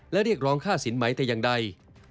และเรียกร้องค่าสินไหมแต่อย่างใด